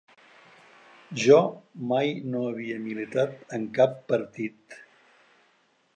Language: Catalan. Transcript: Jo mai no havia militat en cap partit.